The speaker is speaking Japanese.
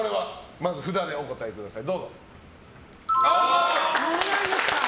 まず札でお答えください。